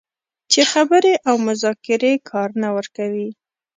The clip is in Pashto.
چې خبرې او مذاکرې کار نه ورکوي